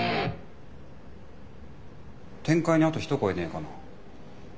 展開にあと一声ねえかな？